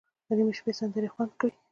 د نیمې شپې سندرې خوند کړي.